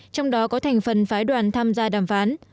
trong đó có thành phần phái đoàn tham gia đàm phán